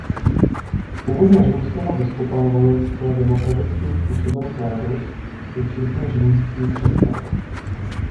Původně římského biskupa volil zcela demokratickým způsobem klérus i všichni římští křesťané.